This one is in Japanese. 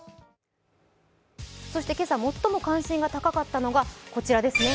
そして今朝、最も関心が高かったのがこちらですね。